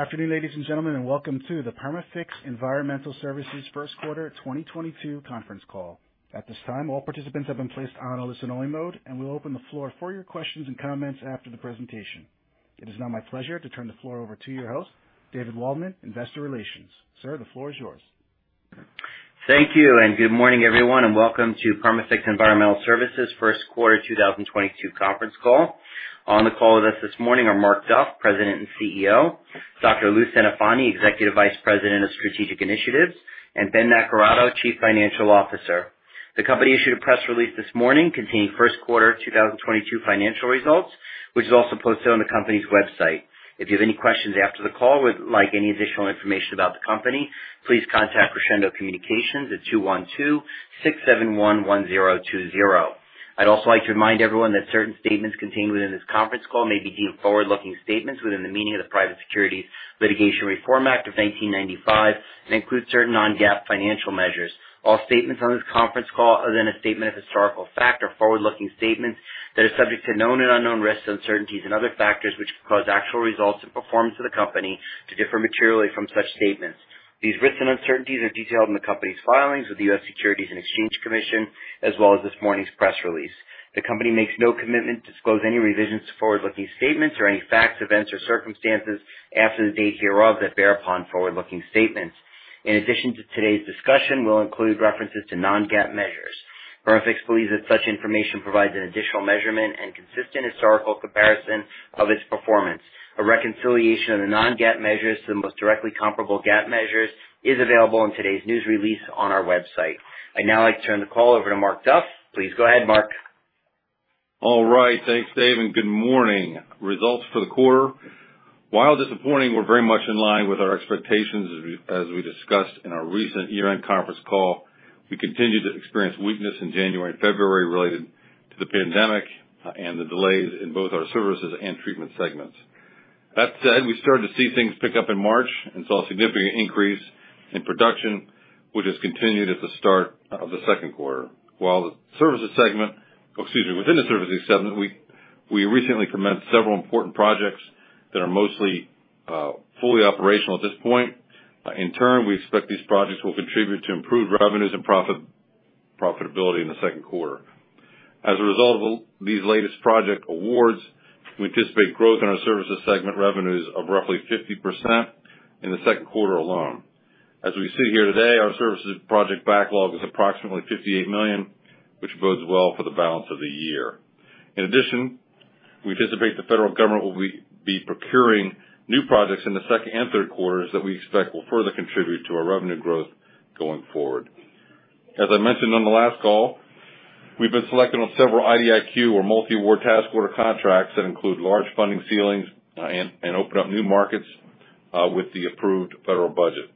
Afternoon, ladies and gentlemen, and welcome to the Perma-Fix Environmental Services first quarter 2022 conference call. At this time, all participants have been placed on a listen-only mode, and we'll open the floor for your questions and comments after the presentation. It is now my pleasure to turn the floor over to your host, David Waldman, Investor Relations. Sir, the floor is yours. Thank you, and good morning, everyone, and welcome to Perma-Fix Environmental Services first quarter 2022 conference call. On the call with us this morning are Mark Duff, President and CEO, Dr. Lou Centofanti, Executive Vice President of Strategic Initiatives, and Ben Naccarato, Chief Financial Officer. The company issued a press release this morning containing first quarter 2022 financial results, which is also posted on the company's website. If you have any questions after the call or would like any additional information about the company, please contact Crescendo Communications at 212-671-1020. I'd also like to remind everyone that certain statements contained within this conference call may be deemed forward-looking statements within the meaning of the Private Securities Litigation Reform Act of 1995 and include certain non-GAAP financial measures. All statements on this conference call, other than a statement of historical fact, are forward-looking statements that are subject to known and unknown risks, uncertainties and other factors which could cause actual results and performance of the company to differ materially from such statements. These risks and uncertainties are detailed in the company's filings with the U.S. Securities and Exchange Commission, as well as this morning's press release. The company makes no commitment to disclose any revisions to forward-looking statements or any facts, events or circumstances after the date hereof that bear upon forward-looking statements. In addition to today's discussion, we'll include references to non-GAAP measures. Perma-Fix believes that such information provides an additional measurement and consistent historical comparison of its performance. A reconciliation of the non-GAAP measures to the most directly comparable GAAP measures is available in today's news release on our website. I'd now like to turn the call over to Mark Duff. Please go ahead, Mark. All right, thanks, Dave, and good morning. Results for the quarter, while disappointing, were very much in line with our expectations as we discussed in our recent year-end conference call. We continued to experience weakness in January and February related to the pandemic and the delays in both our services and treatment segments. That said, we started to see things pick up in March and saw a significant increase in production, which has continued at the start of the second quarter. Within the services segment, we recently commenced several important projects that are mostly fully operational at this point. In turn, we expect these projects will contribute to improved revenues and profitability in the second quarter. As a result of these latest project awards, we anticipate growth in our services segment revenues of roughly 50% in the second quarter alone. As we sit here today, our services project backlog is approximately $58 million, which bodes well for the balance of the year. In addition, we anticipate the federal government will be procuring new projects in the second and third quarters that we expect will further contribute to our revenue growth going forward. As I mentioned on the last call, we've been selected on several IDIQ or multi-award task order contracts that include large funding ceilings, and open up new markets with the approved federal budget.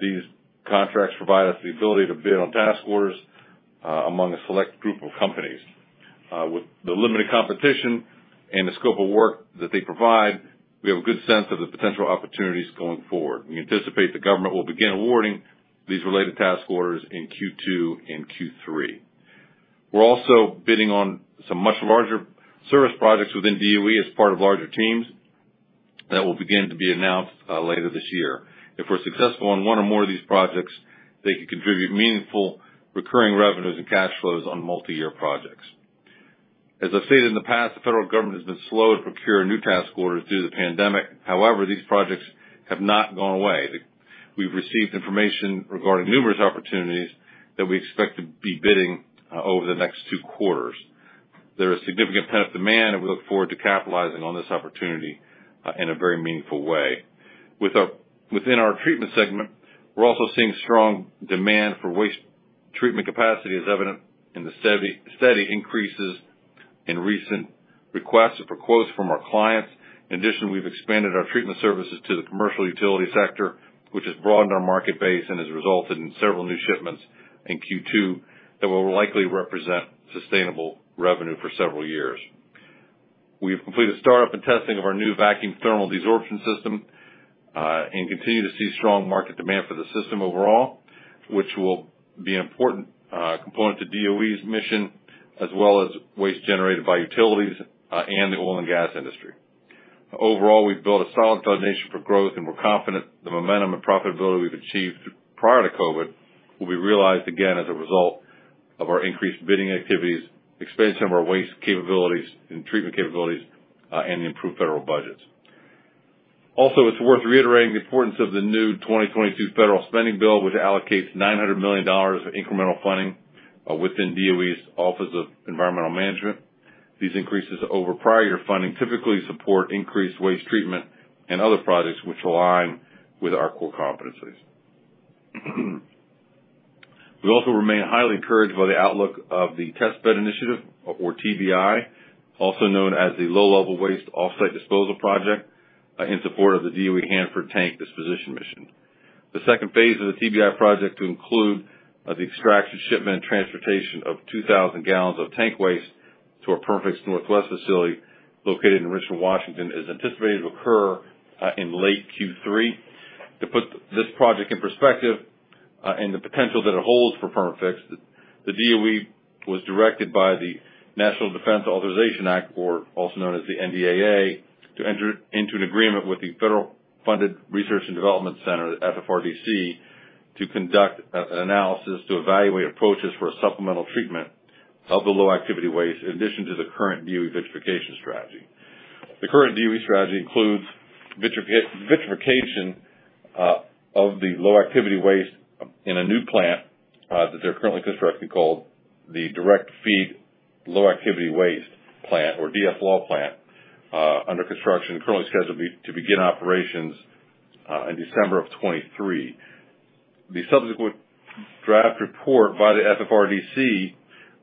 These contracts provide us the ability to bid on task orders among a select group of companies. With the limited competition and the scope of work that they provide, we have a good sense of the potential opportunities going forward. We anticipate the government will begin awarding these related task orders in Q2 and Q3. We're also bidding on some much larger service projects within DOE as part of larger teams that will begin to be announced later this year. If we're successful on one or more of these projects, they could contribute meaningful recurring revenues and cash flows on multi-year projects. As I've stated in the past, the federal government has been slow to procure new task orders due to the pandemic. However, these projects have not gone away. We've received information regarding numerous opportunities that we expect to be bidding over the next two quarters. There is significant pent-up demand, and we look forward to capitalizing on this opportunity in a very meaningful way. Within our treatment segment, we're also seeing strong demand for waste treatment capacity, as evident in the steady increases in recent requests for quotes from our clients. In addition, we've expanded our treatment services to the commercial utility sector, which has broadened our market base and has resulted in several new shipments in Q2 that will likely represent sustainable revenue for several years. We have completed startup and testing of our new vacuum thermal desorption system and continue to see strong market demand for the system overall, which will be an important component to DOE's mission, as well as waste generated by utilities and the oil and gas industry. Overall, we've built a solid foundation for growth, and we're confident the momentum and profitability we've achieved prior to COVID will be realized again as a result of our increased bidding activities, expansion of our waste capabilities and treatment capabilities, and the improved federal budgets. Also, it's worth reiterating the importance of the new 2022 federal spending bill, which allocates $900 million of incremental funding within DOE's Office of Environmental Management. These increases over prior funding typically support increased waste treatment and other projects which align with our core competencies. We also remain highly encouraged by the outlook of the Test Bed Initiative, or TBI, also known as the Low Level Waste Off-site Disposal Project, in support of the DOE Hanford Tank Disposition Mission. The second phase of the TBI project to include the extraction, shipment, and transportation of 2000 gallons of tank waste to our Perma-Fix Northwest facility located in Richland, Washington, is anticipated to occur in late Q3. This project in perspective and the potential that it holds for Perma-Fix, the DOE was directed by the National Defense Authorization Act, or also known as the NDAA, to enter into an agreement with the Federally Funded Research and Development Center, FFRDC, to conduct an analysis to evaluate approaches for a supplemental treatment of the low-activity waste in addition to the current DOE vitrification strategy. The current DOE strategy includes vitrification of the low-activity waste in a new plant that they're currently constructing, called the Direct-Feed Low-Activity Waste Plant, or DFLAW Plant, under construction. Currently scheduled to begin operations in December of 2023. The subsequent draft report by the FFRDC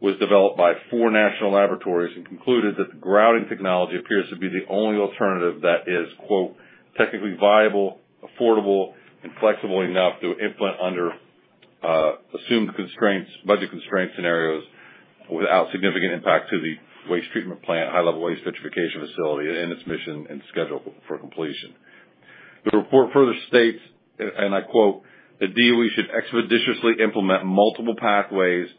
was developed by four national laboratories and concluded that the grouting technology appears to be the only alternative that is, quote, "Technically viable, affordable, and flexible enough to implement under assumed constraints, budget constraint scenarios without significant impact to the waste treatment plant, high-level waste vitrification facility, and its mission and schedule for completion." The report further states, and I quote, "The DOE should expeditiously implement multiple pathways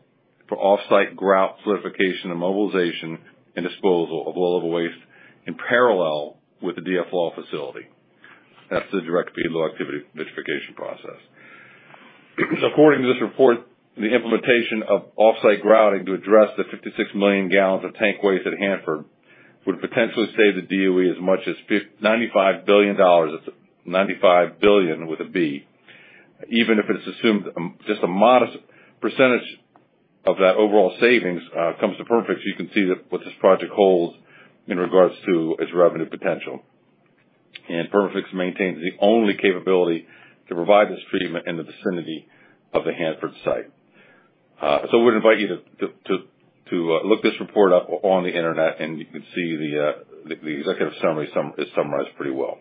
for off-site grout solidification and mobilization and disposal of low-level waste in parallel with the DFLAW facility." That's the direct feed low activity vitrification process. According to this report, the implementation of off-site grouting to address the 56 million gallons of tank waste at Hanford would potentially save the DOE as much as ninety-five billion dollars. That's $95 billion with a B. Even if it's assumed, just a modest percentage of that overall savings comes to Perma-Fix, you can see that what this project holds in regards to its revenue potential. Perma-Fix maintains the only capability to provide this treatment in the vicinity of the Hanford site. We'd invite you to look this report up on the internet, and you can see the executive summary summarized pretty well.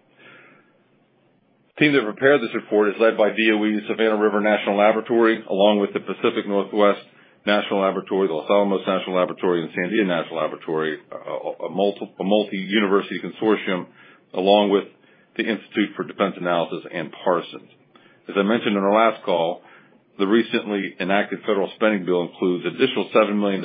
The team that prepared this report is led by DOE, the Savannah River National Laboratory, along with the Pacific Northwest National Laboratory, the Los Alamos National Laboratory, and Sandia National Laboratories, a multi-university consortium along with the Institute for Defense Analyses and Parsons. As I mentioned in our last call, the recently enacted federal spending bill includes additional $7 million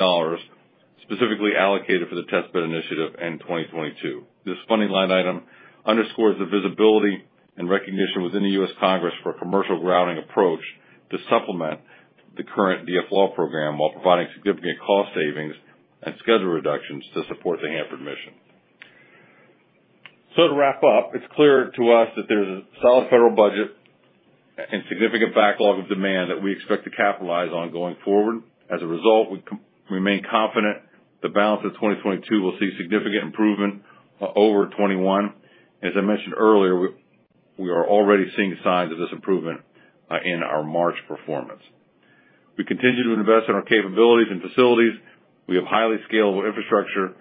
specifically allocated for the Test Bed Initiative in 2022. This funding line item underscores the visibility and recognition within the U.S. Congress for a commercial grouting approach to supplement the current DFLAW program while providing significant cost savings and schedule reductions to support the Hanford mission. To wrap up, it's clear to us that there's a solid federal budget and significant backlog of demand that we expect to capitalize on going forward. As a result, we remain confident the balance of 2022 will see significant improvement over '21. As I mentioned earlier, we are already seeing signs of this improvement in our March performance. We continue to invest in our capabilities and facilities, we have highly scalable infrastructure,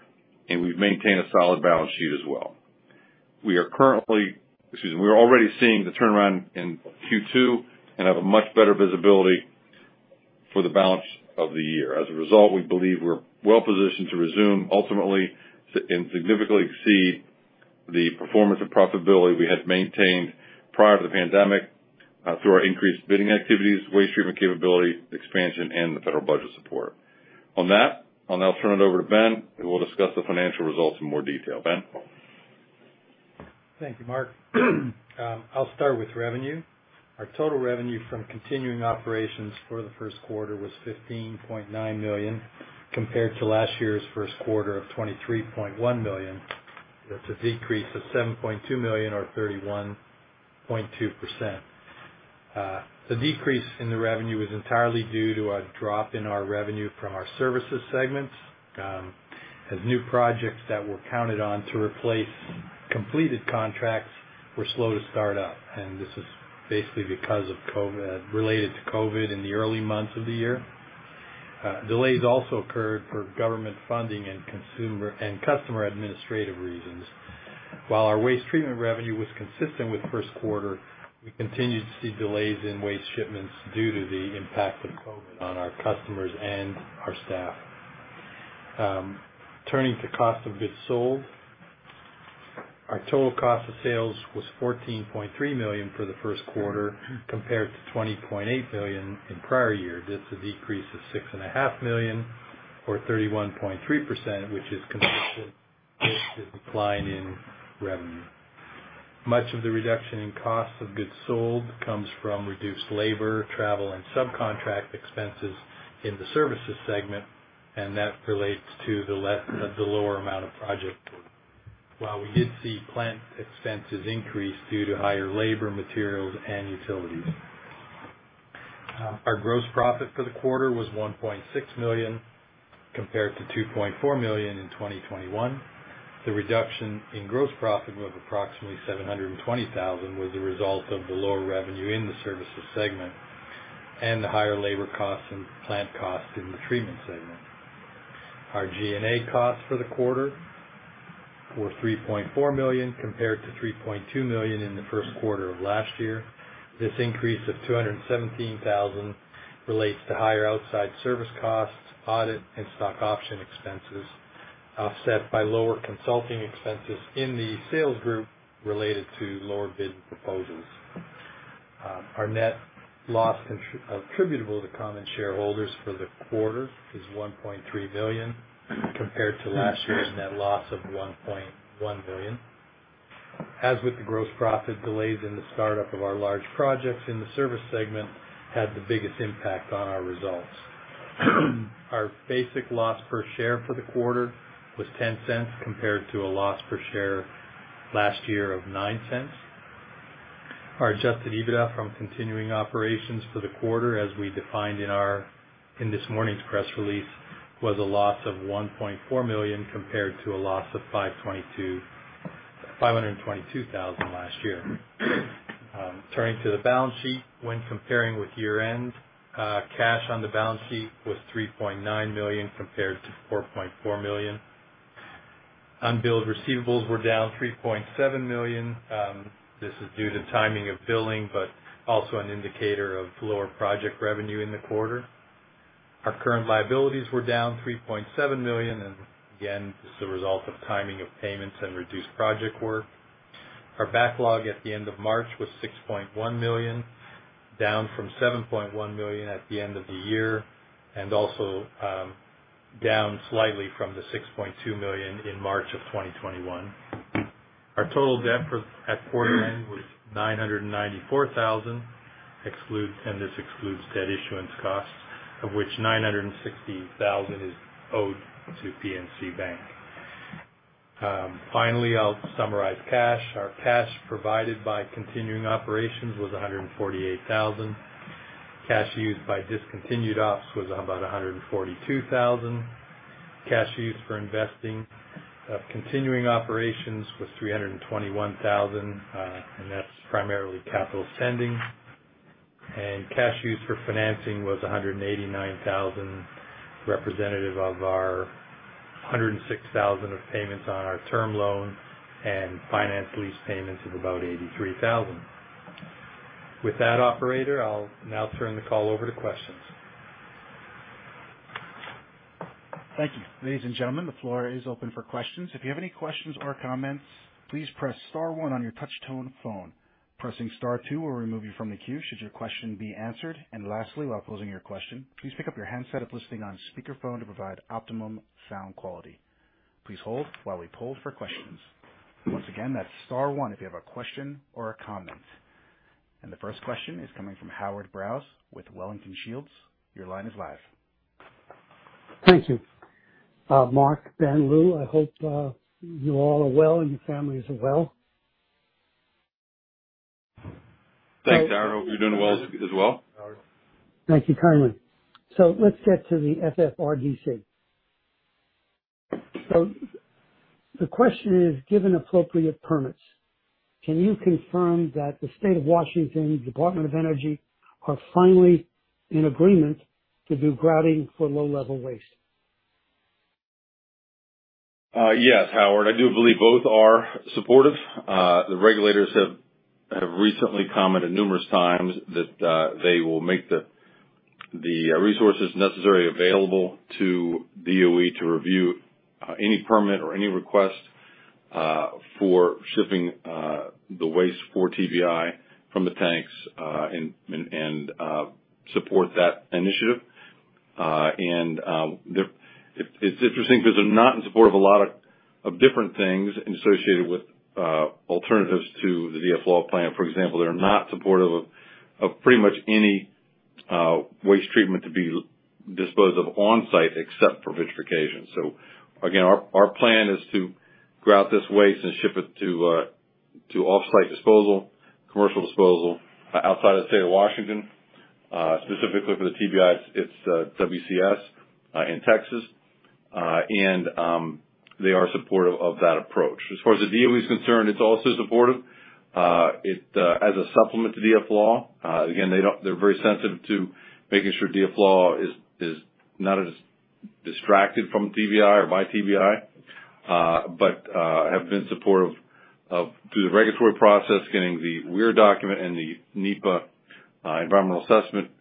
and we've maintained a solid balance sheet as well. We are already seeing the turnaround in Q2, and have a much better visibility for the balance of the year. As a result, we believe we're well positioned to resume ultimately and significantly exceed the performance and profitability we had maintained prior to the pandemic, through our increased bidding activities, waste treatment capability, expansion, and the federal budget support. On that, I'll now turn it over to Ben, who will discuss the financial results in more detail. Ben? Thank you, Mark. I'll start with revenue. Our total revenue from continuing operations for the first quarter was $15.9 million, compared to last year's first quarter of $23.1 million. That's a decrease of $7.2 million or 31.2%. The decrease in the revenue is entirely due to a drop in our revenue from our services segments, as new projects that were counted on to replace completed contracts were slow to start up, and this is basically because of COVID, related to COVID in the early months of the year. Delays also occurred for government funding and customer administrative reasons. While our waste treatment revenue was consistent with first quarter, we continued to see delays in waste shipments due to the impact of COVID on our customers and our staff. Turning to cost of goods sold, our total cost of sales was $14.3 million for the first quarter, compared to $20.8 million in prior year. That's a decrease of $6.5 million or 31.3%, which is consistent with the decline in revenue. Much of the reduction in cost of goods sold comes from reduced labor, travel, and subcontract expenses in the services segment, and that relates to the lower amount of project work. While we did see plant expenses increase due to higher labor, materials, and utilities. Our gross profit for the quarter was $1.6 million, compared to $2.4 million in 2021. The reduction in gross profit of approximately $720,000 was a result of the lower revenue in the services segment and the higher labor costs and plant costs in the treatment segment. Our G&A costs for the quarter were $3.4 million, compared to $3.2 million in the first quarter of last year. This increase of $217,000 relates to higher outside service costs, audit, and stock option expenses, offset by lower consulting expenses in the sales group related to lower bid proposals. Our net loss attributable to common shareholders for the quarter is $1.3 million compared to last year's net loss of $1.1 million. As with the gross profit, delays in the startup of our large projects in the service segment had the biggest impact on our results. Our basic loss per share for the quarter was $0.10 compared to a loss per share last year of $0.09. Our adjusted EBITDA from continuing operations for the quarter, as we defined in this morning's press release, was a loss of $1.4 million compared to a loss of $522,000 last year. Turning to the balance sheet. When comparing with year-end, cash on the balance sheet was $3.9 million compared to $4.4 million. Unbilled receivables were down $3.7 million. This is due to timing of billing, but also an indicator of lower project revenue in the quarter. Our current liabilities were down $3.7 million and again, this is a result of timing of payments and reduced project work. Our backlog at the end of March was $6.1 million, down from $7.1 million at the end of the year, and also down slightly from the $6.2 million in March of 2021. Our total debt at quarter end was $994,000 and this excludes debt issuance costs, of which $960,000 is owed to PNC Bank. Finally, I'll summarize cash. Our cash provided by continuing operations was $148,000. Cash used by discontinued ops was about $142,000. Cash used for investing, continuing operations was $321,000, and that's primarily capital spending. Cash used for financing was $189 thousand, representative of our $106 thousand of payments on our term loan and finance lease payments of about $83 thousand. With that, Operator, I'll now turn the call over to questions. Thank you. Ladies and gentlemen, the floor is open for questions. If you have any questions or comments, please press star one on your touch tone phone. Pressing star two will remove you from the queue should your question be answered. Lastly, while closing your question, please pick up your handset if listening on speakerphone to provide optimum sound quality. Please hold while we poll for questions. Once again, that's star one if you have a question or a comment. The first question is coming from Howard Brous with Wellington Shields. Your line is live. Thank you. Mark, Ben, Lou, I hope you all are well and your families are well. Thanks, Howard. We're doing well as well. Thank you kindly. Let's get to the FFRDC. The question is, given appropriate permits, can you confirm that the State of Washington Department of Ecology are finally in agreement to do grouting for low-level waste? Yes, Howard, I do believe both are supportive. The regulators have recently commented numerous times that they will make the resources necessary available to DOE to review any permit or any request for shipping the waste for TBI from the tanks and support that initiative. It's interesting because they're not in support of a lot of different things associated with alternatives to the DFLAW plant, for example. They're not supportive of pretty much any waste treatment to be disposed of on-site except for vitrification. Again, our plan is to grout this waste and ship it to off-site disposal, commercial disposal, outside the state of Washington. Specifically for the TBI, it's WCS in Texas. They are supportive of that approach. As far as the DOE is concerned, it's also supportive. As a supplement to DFLAW, again, they're very sensitive to making sure DFLAW is not distracted from TBI or by TBI, but have been supportive of, through the regulatory process, getting the WIR document and the NEPA environmental assessment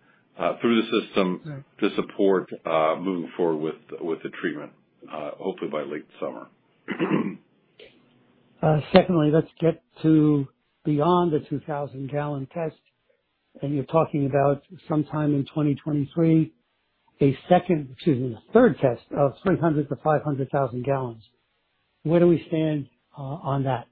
through the system. Right. to support, moving forward with the treatment, hopefully by late summer. Secondly, let's get to beyond the 2,000-gallon test, and you're talking about sometime in 2023, a third test of 300,000-500,000 gallons. Where do we stand on that?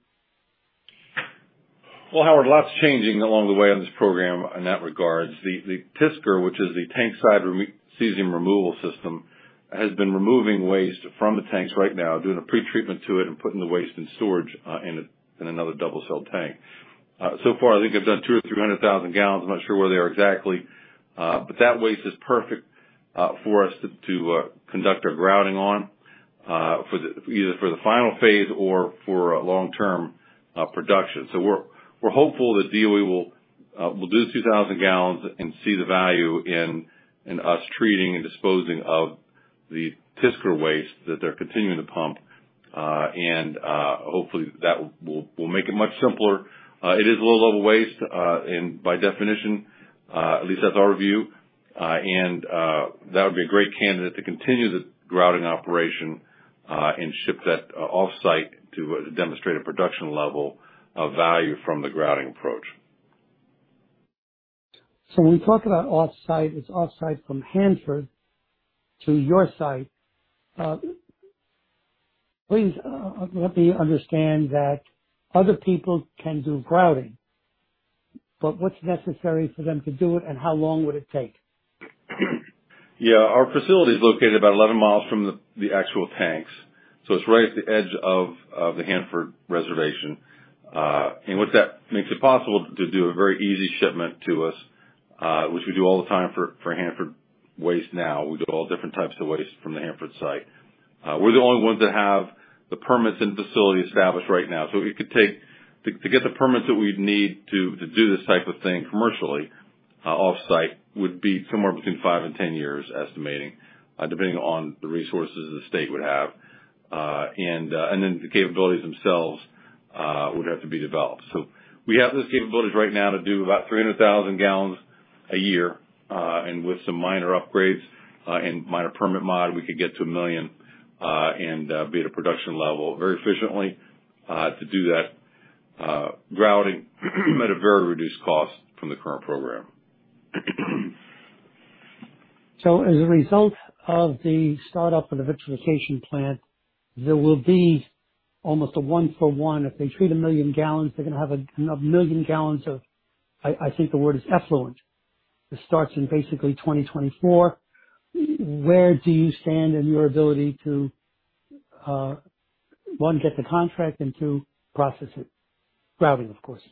Well, Howard, a lot's changing along the way on this program in that regard. The TSCR, which is the Tank-Side Cesium Removal system, has been removing waste from the tanks right now, doing a pretreatment to it and putting the waste in storage in another double-shelled tank. So far, I think they've done 200,000 or 300,000 gallons. I'm not sure where they are exactly, but that waste is perfect for us to conduct our grouting on for either the final phase or for long-term production. We're hopeful the DOE will do 2,000 gallons and see the value in us treating and disposing of the TSCR waste that they're continuing to pump. Hopefully that will make it much simpler. It is low-level waste, and by definition, at least that's our view. That would be a great candidate to continue the grouting operation and ship that off-site to demonstrate a production level of value from the grouting approach. When you talk about off-site, it's off-site from Hanford to your site. Please, let me understand that other people can do grouting, but what's necessary for them to do it, and how long would it take? Yeah. Our facility is located about 11 miles from the actual tanks, so it's right at the edge of the Hanford reservation. And with that, makes it possible to do a very easy shipment to us, which we do all the time for Hanford waste now. We do all different types of waste from the Hanford Site. We're the only ones that have the permits and facility established right now. So it could take to get the permits that we'd need to do this type of thing commercially, off-site would be somewhere between 5 and 10 years estimating, depending on the resources the state would have. And then the capabilities themselves would have to be developed. So we have those capabilities right now to do about 300,000 gallons a year. With some minor upgrades and minor permit mod, we could get to 1 million and be at a production level very efficiently to do that grouting at a very reduced cost from the current program. As a result of the startup of the vitrification plant, there will be almost a one-for-one. If they treat 1 million gallons, they're gonna have a 1 million gallons of, I think the word is effluent. This starts in basically 2024. Where do you stand in your ability to one, get the contract and two, process it? Grouting, of course.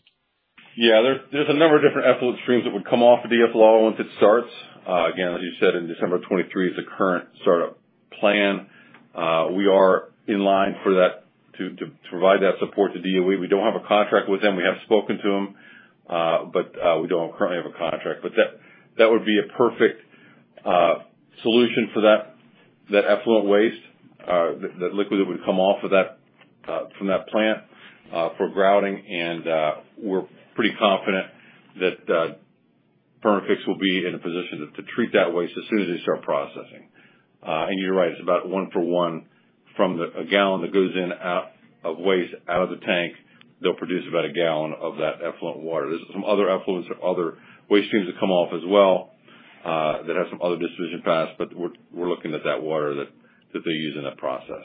Yeah. There's a number of different effluent streams that would come off of DFLAW once it starts. Again, as you said in December of 2023 is the current startup plan. We are in line for that to provide that support to DOE. We don't have a contract with them. We have spoken to them, but we don't currently have a contract. That would be a perfect solution for that effluent waste, the liquid that would come off of that from that plant for grouting. We're pretty confident that Perma-Fix will be in a position to treat that waste as soon as they start processing. You're right, it's about one for one. A gallon that goes in out of waste out of the tank, they'll produce about a gallon of that effluent water. There's some other effluents or other waste streams that come off as well, that have some other disposition paths, but we're looking at that water that they use in that process.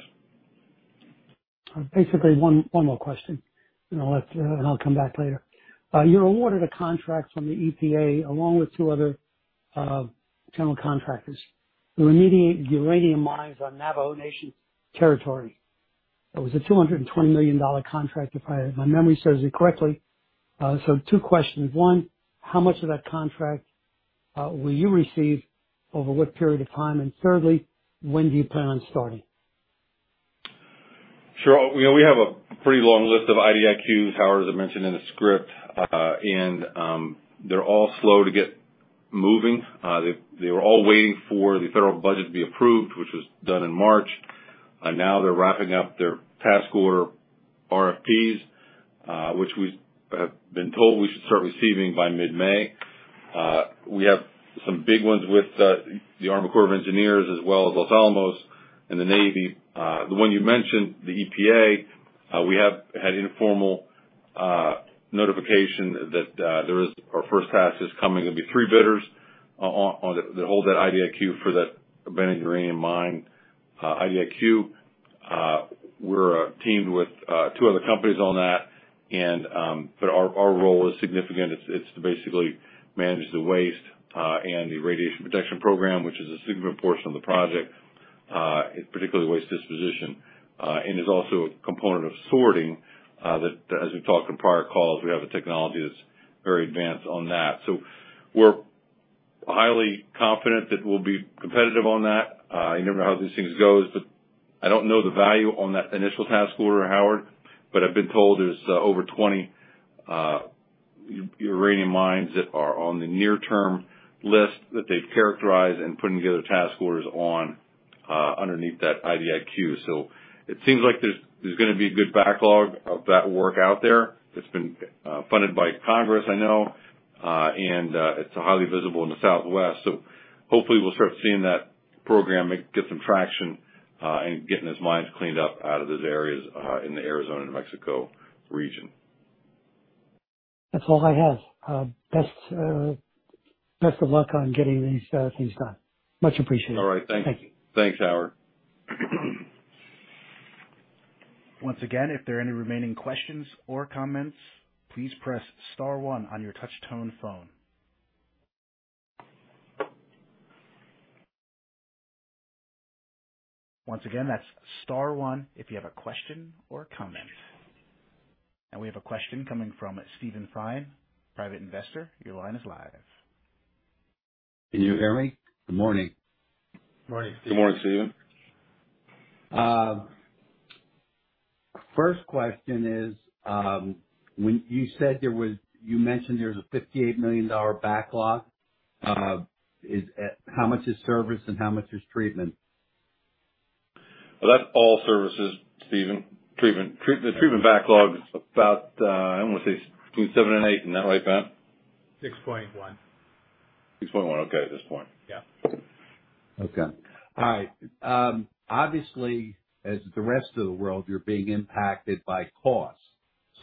Basically, one more question and I'll let and I'll come back later. You're awarded a contract from the EPA along with two other general contractors to remediate uranium mines on Navajo Nation territory. It was a $220 million contract, if my memory serves me correctly. So two questions. One, how much of that contract will you receive, over what period of time? And thirdly, when do you plan on starting? Sure. You know, we have a pretty long list of IDIQs, Howard, as I mentioned in the script. They're all slow to get moving. They were all waiting for the federal budget to be approved, which was done in March. Now they're wrapping up their task order RFPs, which we have been told we should start receiving by mid-May. We have some big ones with the U.S. Army Corps of Engineers as well as Los Alamos and the U.S. Navy. The one you mentioned, the EPA, we have had informal notification that our first task is coming, gonna be three bidders on that hold that IDIQ for that Benedict uranium mine IDIQ. We're teamed with two other companies on that but our role is significant. It's to basically manage the waste and the radiation protection program, which is a significant portion of the project, particularly waste disposition. There's also a component of sorting that as we've talked in prior calls, we have a technology that's very advanced on that. We're highly confident that we'll be competitive on that. You never know how these things go, but I don't know the value on that initial task order, Howard, but I've been told there's over 20 uranium mines that are on the near-term list that they've characterized and putting together task orders on, underneath that IDIQ. It seems like there's gonna be a good backlog of that work out there that's been funded by Congress, I know. It's highly visible in the Southwest. Hopefully we'll start seeing that program get some traction in getting those mines cleaned up out of those areas in the Arizona-New Mexico region. That's all I have. Best of luck on getting these things done. Much appreciated. All right. Thank you. Thank you. Thanks, Howard. We have a question coming from Steven Fine, Private Investor. Your line is live. Can you hear me? Good morning. Morning. Good morning, Steven. First question is, when you mentioned there was a $58 million backlog. How much is service and how much is treatment? Well, that's all services, Steven. The treatment backlog is about, I wanna say between seven and eight. Isn't that right, Ben? 6.1. 6.1. Okay. At this point. Yeah. Okay. All right. Obviously, as with the rest of the world, you're being impacted by cost.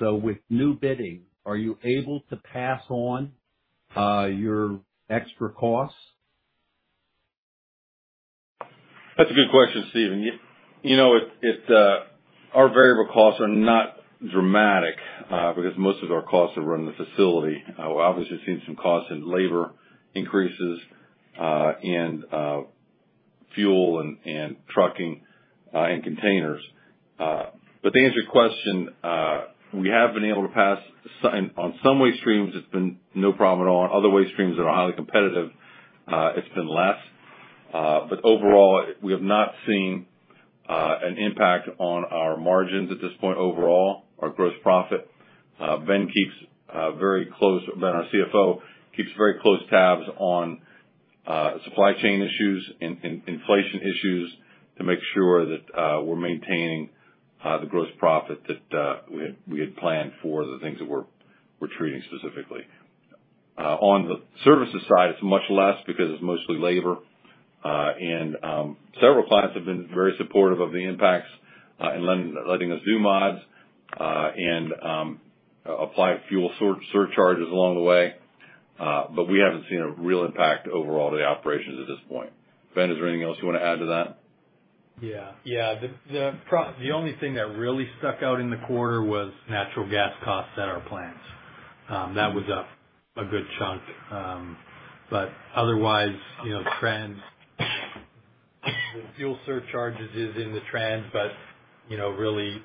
With new bidding, are you able to pass on your extra costs? That's a good question, Steven. You know, it's our variable costs are not dramatic because most of our costs are running the facility. We're obviously seeing some costs in labor increases, and fuel and trucking and containers. But to answer your question, we have been able to pass some on. On some waste streams, it's been no problem at all. On other waste streams that are highly competitive, it's been less. But overall, we have not seen an impact on our margins at this point overall, our gross profit. Ben, our CFO, keeps very close tabs on supply chain issues and inflation issues to make sure that we're maintaining the gross profit that we had planned for the things that we're treating specifically. On the services side, it's much less because it's mostly labor. Several clients have been very supportive of the impacts and letting us do mods and apply fuel surcharges along the way. We haven't seen a real impact overall to the operations at this point. Ben, is there anything else you wanna add to that? Yeah. Yeah. The only thing that really stuck out in the quarter was natural gas costs at our plants. That was a good chunk. But otherwise, you know, the trans, the fuel surcharges is in the trans, but, you know, really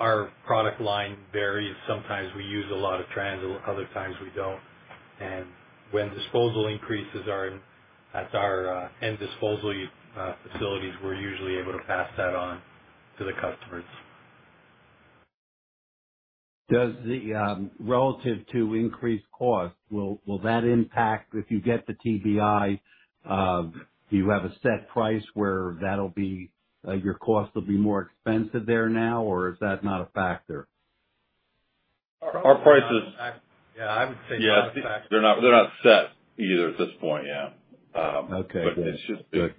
our product line varies. Sometimes we use a lot of trans, other times we don't. When disposal increases at our end disposal facilities, we're usually able to pass that on to the customers. Does the relative to increased cost, will that impact if you get the TBI, do you have a set price where that'll be your cost will be more expensive there now, or is that not a factor? Our prices. Yeah. I would say that's a factor. Yeah. They're not set either at this point. Yeah. Okay. It's just the-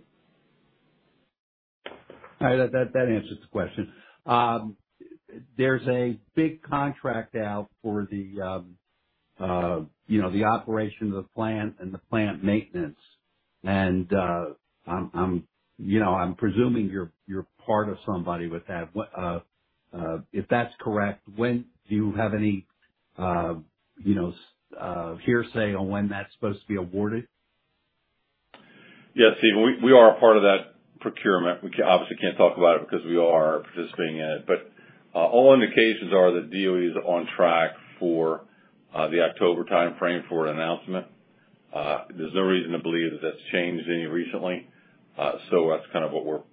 All right. That answers the question. There's a big contract out for the you know the operation of the plant and the plant maintenance. I'm presuming you're part of somebody with that. If that's correct, do you have any you know hearsay on when that's supposed to be awarded? Yeah. Steve, we are a part of that procurement. We obviously can't talk about it because we are participating in it. But all indications are the DOE is on track for the October timeframe for an announcement. There's no reason to believe that that's changed any recently. So that's kind of what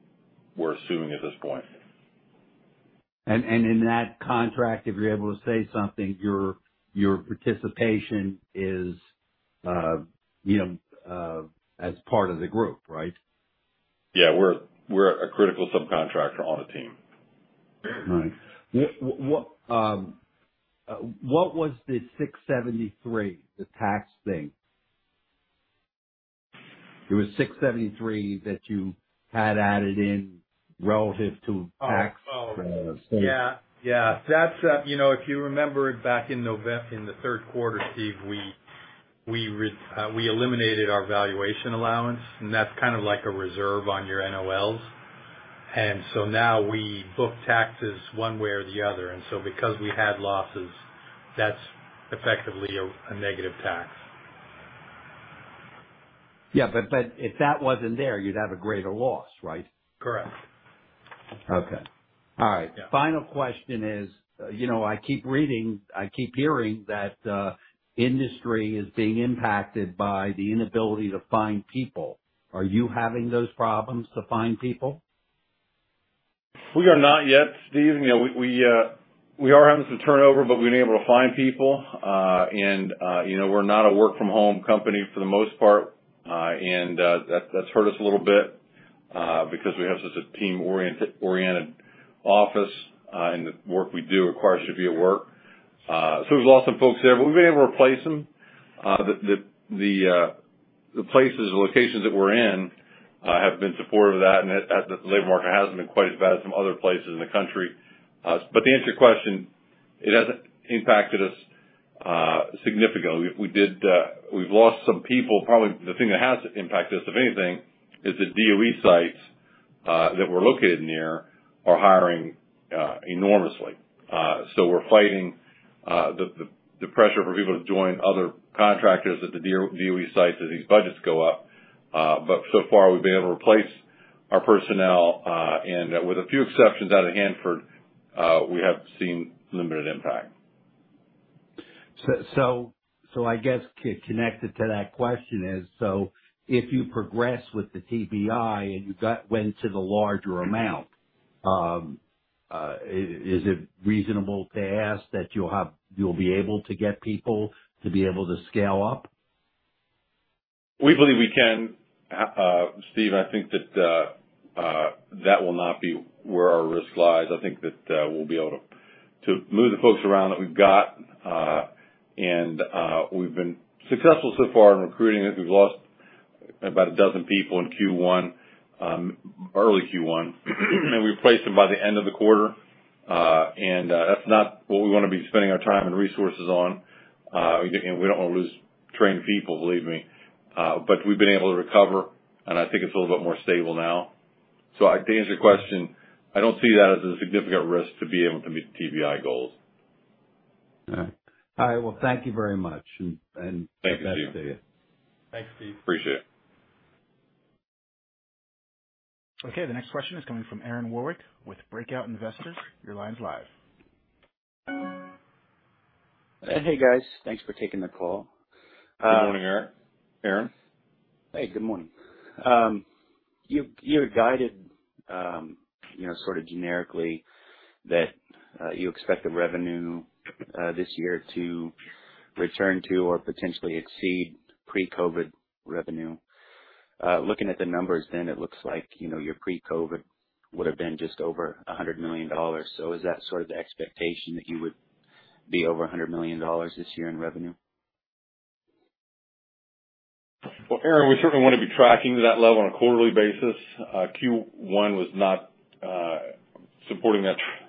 we're assuming at this point. in that contract, if you're able to say something, your participation is, you know, as part of the group, right? Yeah. We're a critical subcontractor on a team. All right. What was the 673, the tax thing? There was 673 that you had added in relative to tax, state. Yeah. Yeah. That's, you know, if you remember back in the third quarter, Steve, we eliminated our valuation allowance, and that's kind of like a reserve on your NOLs. Now we book taxes one way or the other. Because we had losses, that's effectively a negative tax. Yeah. If that wasn't there, you'd have a greater loss, right? Correct. Okay. All right. Yeah. Final question is, you know, I keep reading, I keep hearing that, industry is being impacted by the inability to find people. Are you having those problems to find people? We are not yet, Steve. You know, we are having some turnover, but we've been able to find people. You know, we're not a work from home company for the most part. That's hurt us a little bit, because we have such a team-oriented office, and the work we do requires you to be at work. We've lost some folks there, but we've been able to replace them. The places or locations that we're in have been supportive of that. The labor market hasn't been quite as bad as some other places in the country. To answer your question, it hasn't impacted us significantly. We've lost some people. Probably the thing that has impacted us, if anything, is the DOE sites that we're located near are hiring enormously. We're fighting the pressure for people to join other contractors at the DOE sites as these budgets go up. So far, we've been able to replace our personnel, and with a few exceptions out of Hanford, we have seen limited impact. I guess connected to that question is, if you progress with the TBI and you went to the larger amount, is it reasonable to ask that you'll be able to get people to be able to scale up? We believe we can. Steven, I think that will not be where our risk lies. I think that we'll be able to move the folks around that we've got, and we've been successful so far in recruiting. We've lost about a dozen people in Q1, early Q1, and we replaced them by the end of the quarter. That's not what we wanna be spending our time and resources on. Again, we don't wanna lose trained people, believe me. We've been able to recover, and I think it's a little bit more stable now. To answer your question, I don't see that as a significant risk to be able to meet TBI goals. All right. I will thank you very much. Thank you, Steve. Best to you. Thanks, Steven. Appreciate it. Okay. The next question is coming from Aaron Warwick with Breakout Investors. Your line's live. Hey, guys. Thanks for taking the call. Good morning, Aaron. Hey, good morning. You've had guided, you know, sort of generically that you expect the revenue this year to return to or potentially exceed pre-COVID revenue. Looking at the numbers then, it looks like, you know, your pre-COVID would have been just over $100 million. Is that sort of the expectation that you would be over $100 million this year in revenue? Well, Aaron, we certainly wanna be tracking to that level on a quarterly basis. Q1 was not supporting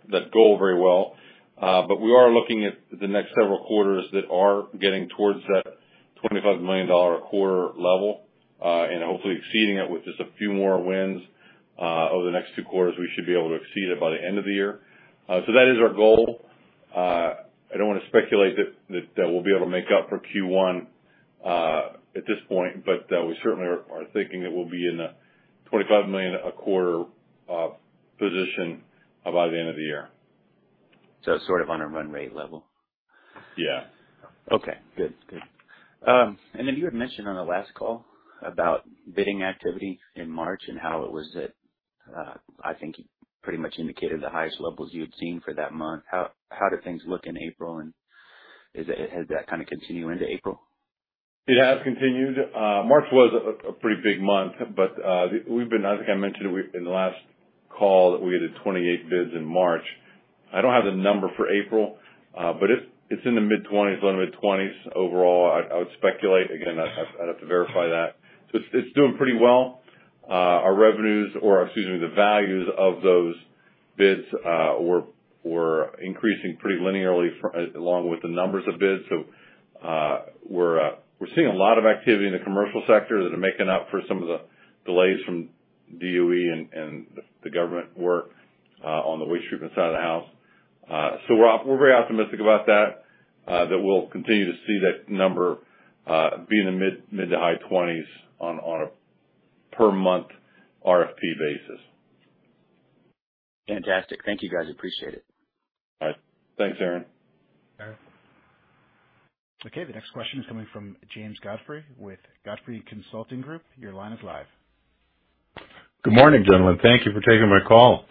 that goal very well. We are looking at the next several quarters that are getting towards that $25 million a quarter level, and hopefully exceeding it with just a few more wins. Over the next two quarters, we should be able to exceed it by the end of the year. That is our goal. I don't wanna speculate that we'll be able to make up for Q1 at this point, but we certainly are thinking it will be in the $25 million a quarter position by the end of the year. Sort of on a run rate level? Yeah. You had mentioned on the last call about bidding activity in March and how it was at, I think you pretty much indicated, the highest levels you had seen for that month. How do things look in April, and has that kind of continued into April? It has continued. March was a pretty big month. I think I mentioned it in the last call that we did 28 bids in March. I don't have the number for April, but it's in the mid-20s, low to mid-20s overall. I would speculate. Again, I'd have to verify that. It's doing pretty well. Our revenues, or excuse me, the values of those bids, were increasing pretty linearly along with the numbers of bids. We're seeing a lot of activity in the commercial sector that are making up for some of the delays from DOE and the government work on the waste treatment side of the house. We're very optimistic about that that we'll continue to see that number be in the mid- to high 20s on a per month RFP basis. Fantastic. Thank you, guys. Appreciate it. All right. Thanks, Aaron. Aaron. Okay. The next question is coming from James Godfrey with Godfrey Consulting Group. Your line is live. Good morning, gentlemen. Thank you for taking my call.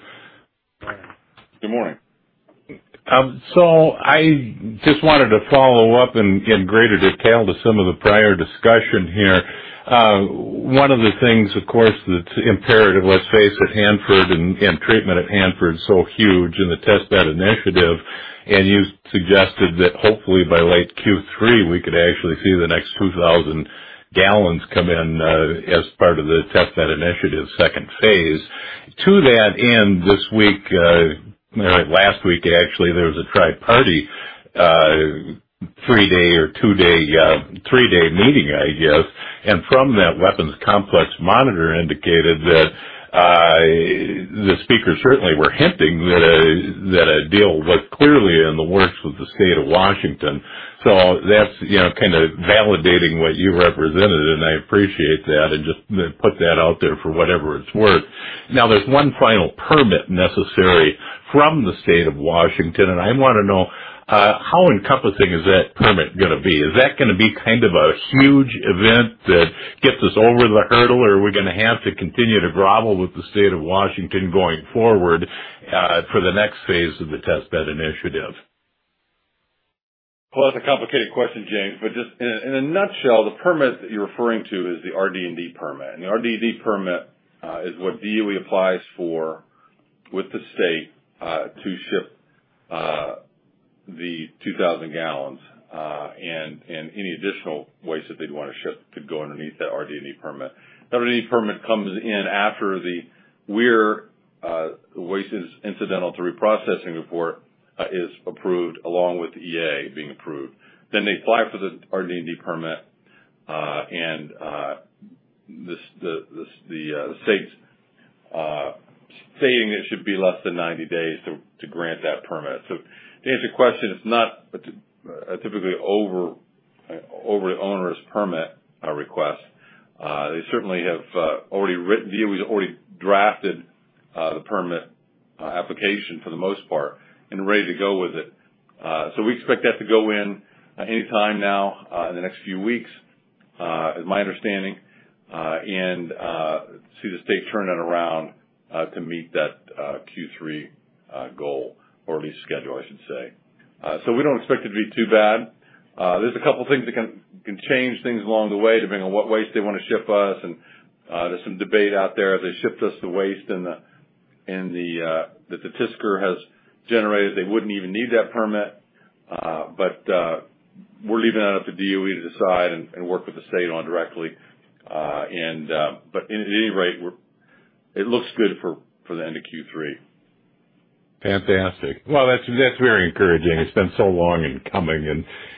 Good morning. I just wanted to follow up in greater detail to some of the prior discussion here. One of the things, of course, that's imperative, let's face it, Hanford and treatment at Hanford's so huge and the Test Bed Initiative, and you suggested that hopefully by late Q3, we could actually see the next 2,000 gallons come in as part of the Test Bed Initiative's second phase. To that end, this week or last week, actually, there was a Tri-Party three-day meeting, I guess. From that, Weapons Complex Monitor indicated that the speakers certainly were hinting that a deal was clearly in the works with the State of Washington. That's, you know, kinda validating what you represented, and I appreciate that and just put that out there for whatever it's worth. Now, there's one final permit necessary from the state of Washington, and I wanna know how encompassing is that permit gonna be? Is that gonna be kind of a huge event that gets us over the hurdle, or are we gonna have to continue to grovel with the state of Washington going forward for the next phase of the Test Bed Initiative? Well, that's a complicated question, James, but just in a nutshell, the permit that you're referring to is the RD&D permit. The RD&D permit is what DOE applies for with the state to ship the 2,000 gallons and any additional waste that they'd wanna ship could go underneath that RD&D permit. That RD&D permit comes in after the WIR, Waste Incidental to Reprocessing report, is approved along with the EA being approved. They apply for the RD&D permit and the state's saying it should be less than 90 days to grant that permit. To answer your question, it's not a typically onerous permit request. They certainly have already drafted the permit application for the most part and ready to go with it. We expect that to go in any time now in the next few weeks, is my understanding, and see the state turn it around to meet that Q3 goal, or at least schedule, I should say. We don't expect it to be too bad. There's a couple things that can change things along the way, depending on what waste they wanna ship us. There's some debate out there. If they shipped us the waste that the TSCR has generated, they wouldn't even need that permit. We're leaving that up to DOE to decide and work with the state on directly. It looks good for the end of Q3. Fantastic. Well, that's very encouraging. It's been so long in coming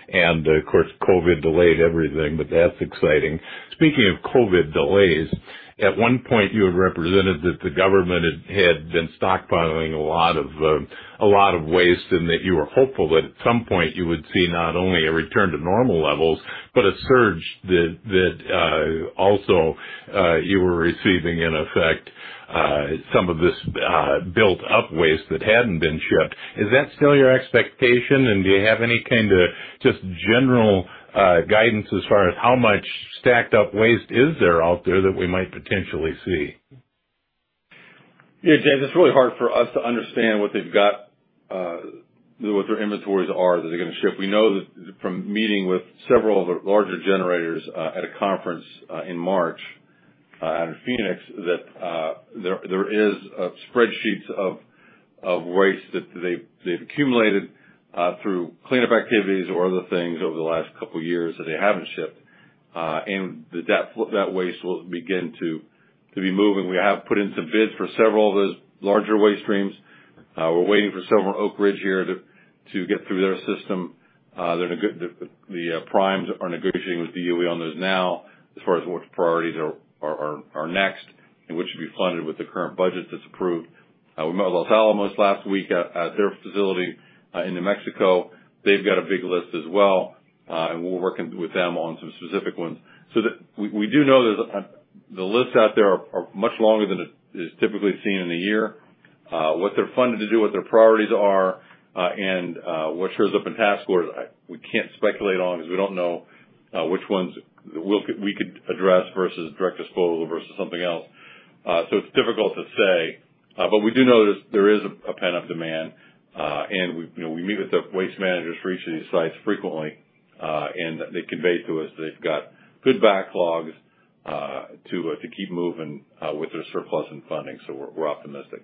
and of course, COVID delayed everything, but that's exciting. Speaking of COVID delays, at one point you had represented that the government had been stockpiling a lot of waste and that you were hopeful that at some point you would see not only a return to normal levels, but a surge that also you were receiving in effect some of this built up waste that hadn't been shipped. Is that still your expectation? And do you have any kind of just general guidance as far as how much stacked up waste is there out there that we might potentially see? Yeah, James, it's really hard for us to understand what they've got, what their inventories are that they're gonna ship. We know that from meeting with several of the larger generators, at a conference, in March, out in Phoenix, that there is spreadsheets of waste that they've accumulated, through cleanup activities or other things over the last couple years that they haven't shipped. That waste will begin to be moving. We have put in some bids for several of those larger waste streams. We're waiting for some Oak Ridge here to get through their system. The primes are negotiating with DOE on those now as far as which priorities are next and which should be funded with the current budget that's approved. We met with Los Alamos last week at their facility in New Mexico. They've got a big list as well, and we're working with them on some specific ones. We do know that the lists out there are much longer than it is typically seen in a year. What they're funded to do, what their priorities are, and what shows up in task orders, we can't speculate on because we don't know which ones we could address versus direct disposal versus something else. It's difficult to say, but we do notice there is a pent-up demand. You know, we meet with the waste managers for each of these sites frequently, and they convey to us they've got good backlogs to keep moving with their surplus and funding. We're optimistic.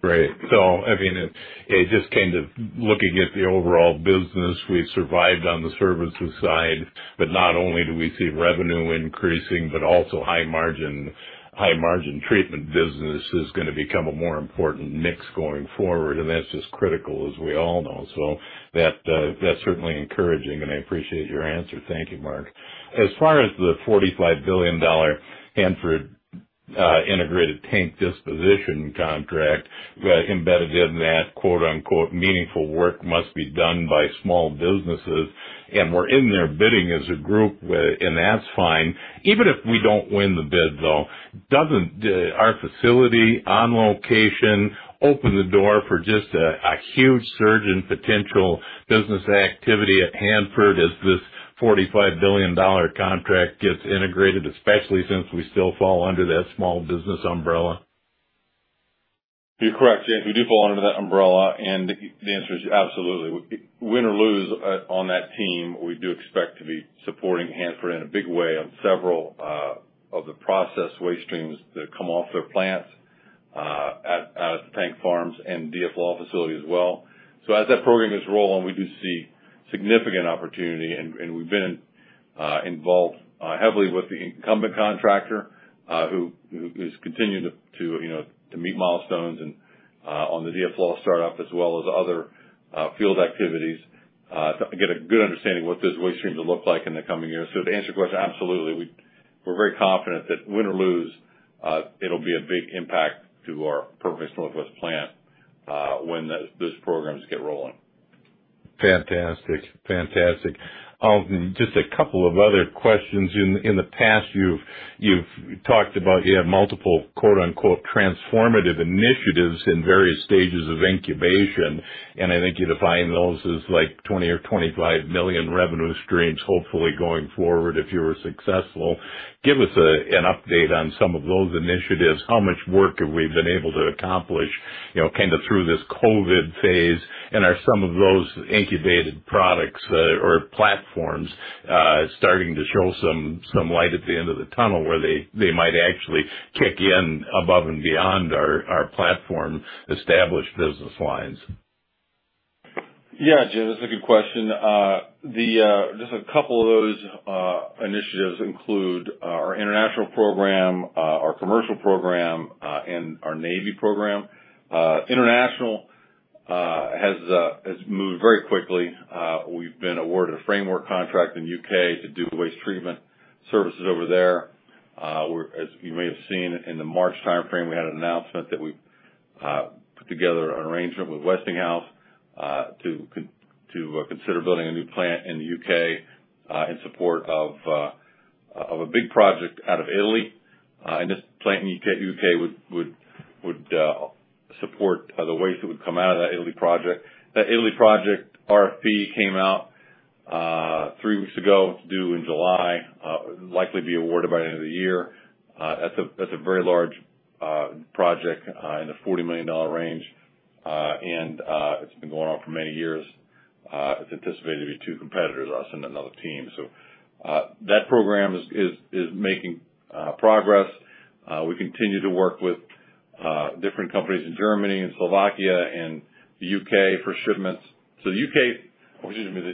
Great. I mean, it just came to looking at the overall business. We've survived on the services side, but not only do we see revenue increasing, but also high margin treatment business is gonna become a more important mix going forward, and that's just critical as we all know. That that's certainly encouraging, and I appreciate your answer. Thank you, Mark. As far as the $45 billion Hanford Integrated Tank Disposition Contract, embedded in that, quote-unquote, "Meaningful work must be done by small businesses," and we're in there bidding as a group, and that's fine. Even if we don't win the bid, though, doesn't our facility on location open the door for just a huge surge in potential business activity at Hanford as this $45 billion contract gets integrated, especially since we still fall under that small business umbrella? You're correct, James. We do fall under that umbrella, and the answer is absolutely. Win or lose on that team, we do expect to be supporting Hanford in a big way on several of the process waste streams that come off their plants out at the tank farms and DFLAW facility as well. As that program is rolling, we do see significant opportunity, and we've been involved heavily with the incumbent contractor who has continued to you know to meet milestones and on the DFLAW startup as well as other field activities to get a good understanding of what those waste streams will look like in the coming years. The answer, of course, absolutely. We're very confident that win or lose, it'll be a big impact to our Perma-Fix Northwest plant when those programs get rolling. Fantastic. Just a couple of other questions. In the past you've talked about you have multiple, quote-unquote, "transformative initiatives in various stages of incubation." I think you define those as like $20 million or $25 million revenue streams, hopefully going forward if you were successful. Give us an update on some of those initiatives. How much work have we been able to accomplish, you know, kind of through this COVID phase? Are some of those incubated products or platforms starting to show some light at the end of the tunnel where they might actually kick in above and beyond our platform established business lines? Yeah, James, that's a good question. Just a couple of those initiatives include our international program, our commercial program, and our Navy program. International has moved very quickly. We've been awarded a framework contract in U.K. to do waste treatment services over there. As you may have seen in the March timeframe, we had an announcement that we put together an arrangement with Westinghouse to consider building a new plant in the U.K. in support of a big project out of Italy. This plant in U.K. would support the waste that would come out of that Italy project. That Italy project RFP came out three weeks ago. It's due in July, likely to be awarded by the end of the year. That's a very large project in the $40 million range. It's been going on for many years. It's anticipated to be two competitors, us and another team. That program is making progress. We continue to work with different companies in Germany and Slovakia and the U.K. for shipments. The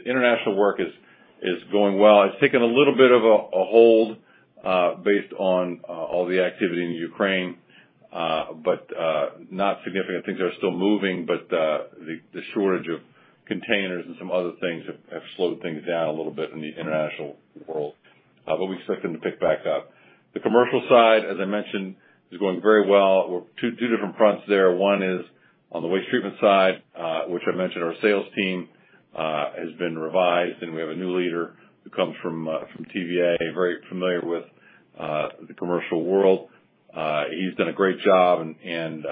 international work is going well. It's taken a little bit of a hold based on all the activity in Ukraine, but not significant. Things are still moving, but the shortage of containers and some other things have slowed things down a little bit in the international world. We expect them to pick back up. The commercial side, as I mentioned, is going very well. We're on two different fronts there. One is on the waste treatment side, which I mentioned our sales team has been revised, and we have a new leader who comes from TVA, very familiar with the commercial world. He's done a great job and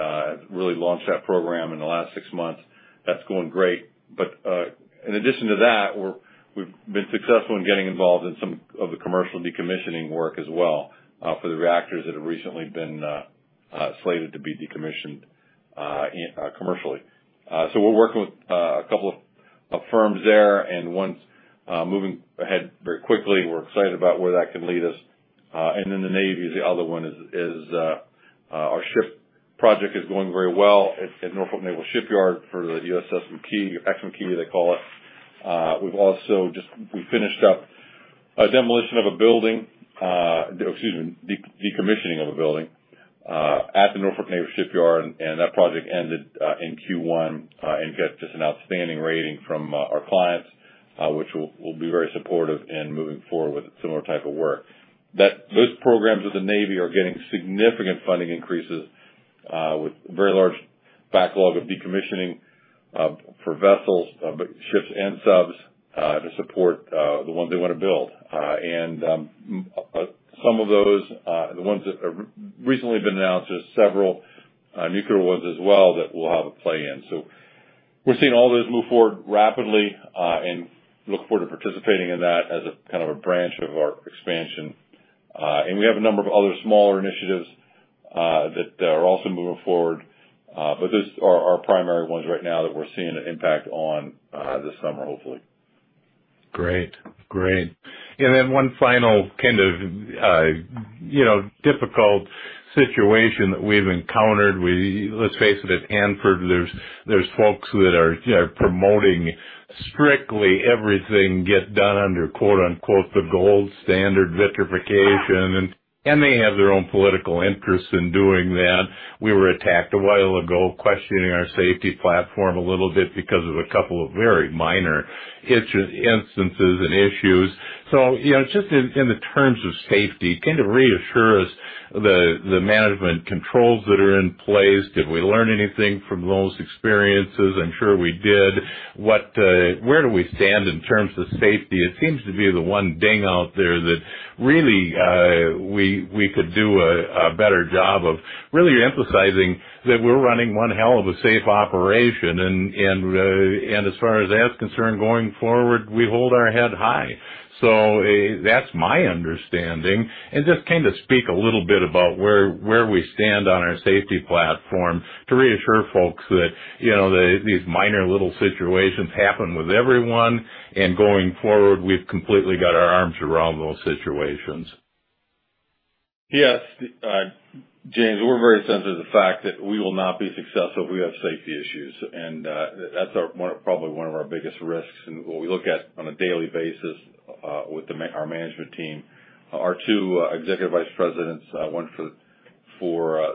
really launched that program in the last six months. That's going great. In addition to that, we've been successful in getting involved in some of the commercial decommissioning work as well for the reactors that have recently been slated to be decommissioned commercially. We're working with a couple of firms there and one's moving ahead very quickly. We're excited about where that can lead us. The Navy is the other one, our ship project is going very well at Norfolk Naval Shipyard for the USS McKee, Ex-McKean they call it. We've also just finished up a demolition of a building, excuse me, decommissioning of a building, at the Norfolk Naval Shipyard, and that project ended in Q1 and got just an outstanding rating from our clients, which will be very supportive in moving forward with similar type of work. Those programs with the Navy are getting significant funding increases with very large backlog of decommissioning for vessels, ships and subs to support the ones they wanna build. Some of those, the ones that have recently been announced are several nuclear ones as well that we'll have a play in. We're seeing all those move forward rapidly and look forward to participating in that as a kind of branch of our expansion. We have a number of other smaller initiatives that are also moving forward, but those are our primary ones right now that we're seeing an impact on this summer, hopefully. Great. Then one final kind of, you know, difficult situation that we've encountered. Let's face it, at Hanford, there's folks that are, you know, promoting strictly everything get done under, quote-unquote, "the gold standard vitrification." They have their own political interest in doing that. We were attacked a while ago questioning our safety platform a little bit because of a couple of very minor instances and issues. You know, just in the terms of safety, kind of reassure us the management controls that are in place. Did we learn anything from those experiences? I'm sure we did. Where do we stand in terms of safety? It seems to be the one thing out there that really we could do a better job of really emphasizing that we're running one hell of a safe operation. As far as that's concerned, going forward, we hold our head high. That's my understanding, and just kind of speak a little bit about where we stand on our safety platform to reassure folks that, you know, that these minor little situations happen with everyone, and going forward, we've completely got our arms around those situations. Yes, James, we're very sensitive to the fact that we will not be successful if we have safety issues. That's probably one of our biggest risks and what we look at on a daily basis with our management team. Our two executive vice presidents, one for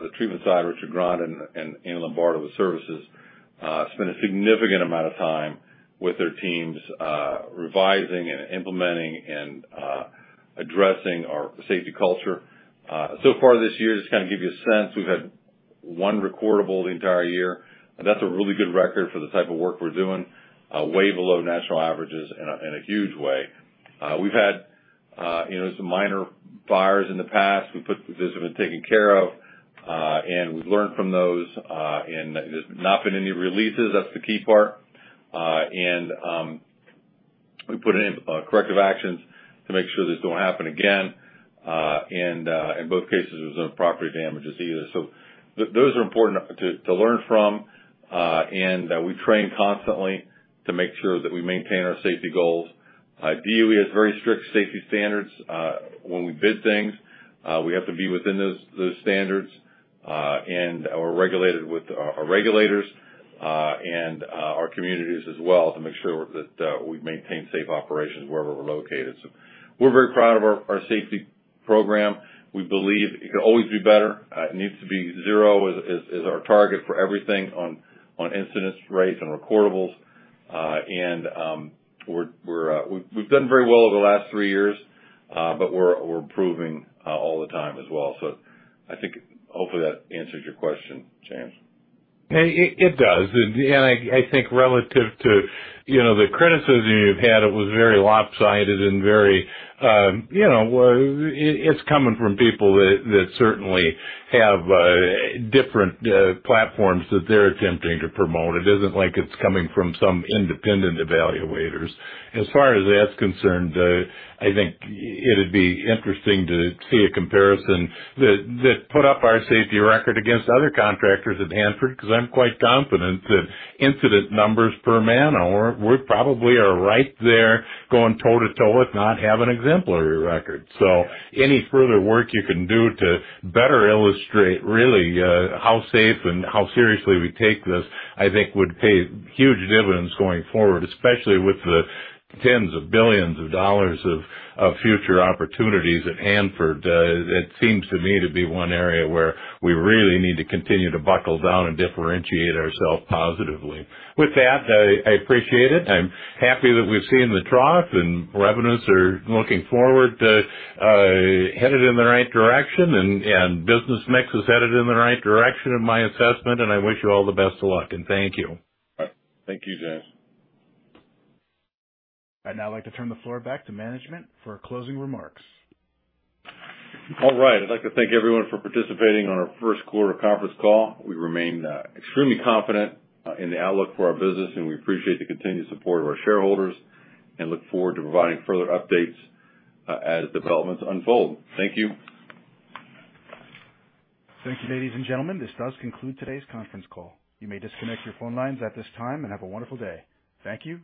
the treatment side, Richard Grondin, and Andrew Lombardo of Services, spend a significant amount of time with their teams, revising and implementing and addressing our safety culture. So far this year, just to kind of give you a sense, we've had one recordable the entire year. That's a really good record for the type of work we're doing, way below national averages in a huge way. We've had, you know, some minor fires in the past. Those have been taken care of, and we've learned from those, and there's not been any releases. That's the key part. We put in corrective actions to make sure this don't happen again. In both cases, there was no property damages either. Those are important to learn from, and we train constantly to make sure that we maintain our safety goals. DOE has very strict safety standards. When we bid things, we have to be within those standards, and are regulated with our regulators, and our communities as well to make sure that we maintain safe operations wherever we're located. We're very proud of our safety program. We believe it could always be better. It needs to be zero, is our target for everything on incidence rates and recordables. We've done very well over the last three years. We're improving all the time as well. I think hopefully that answers your question, James. It does. I think relative to, you know, the criticism you've had, it was very lopsided and very, you know, it's coming from people that certainly have different platforms that they're attempting to promote. It isn't like it's coming from some independent evaluators. As far as that's concerned, I think it'd be interesting to see a comparison that put up our safety record against other contractors at Hanford, 'cause I'm quite confident that incident numbers per man hour, we probably are right there going toe-to-toe, we have an exemplary record. Any further work you can do to better illustrate really how safe and how seriously we take this, I think would pay huge dividends going forward, especially with the tens of billions of dollars of future opportunities at Hanford. That seems to me to be one area where we really need to continue to buckle down and differentiate ourselves positively. With that, I appreciate it. I'm happy that we've seen the trough, and revenues are looking forward, headed in the right direction and business mix is headed in the right direction in my assessment, and I wish you all the best of luck, and thank you. Thank you, James. I'd now like to turn the floor back to management for closing remarks. All right. I'd like to thank everyone for participating on our first quarter conference call. We remain extremely confident in the outlook for our business, and we appreciate the continued support of our shareholders and look forward to providing further updates as developments unfold. Thank you. Thank you, ladies and gentlemen. This does conclude today's conference call. You may disconnect your phone lines at this time, and have a wonderful day. Thank you.